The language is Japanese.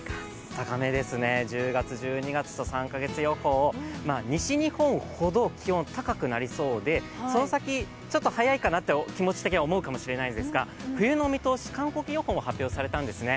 高めですね、１０月１２月と３か月予報、西日本ほど、気温高くなりそうで、その先、ちょっと早いかなと思いますが冬の見通し、３か月予報も発表されたんですね。